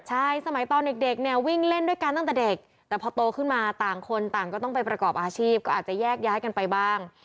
ใช่สมัยตอนเด็กเนี่ยวิ่งเล่นด้วยกันตั้งแต่เด็กแต่พอโตขึ้นมาต่างคนต่างก็ต้องไปประกอบอาชีพก็อาจจะแยกย้ายกันไปบ้าง